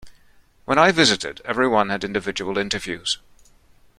When I visited everyone had individual interviews.